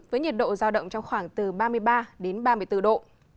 với nhiệt độ giao động trong khoảng từ ba mươi ba đến ba mươi bốn độ